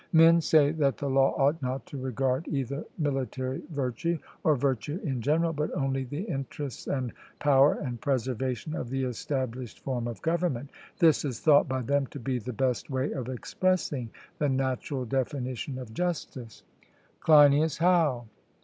Men say that the law ought not to regard either military virtue, or virtue in general, but only the interests and power and preservation of the established form of government; this is thought by them to be the best way of expressing the natural definition of justice. CLEINIAS: How?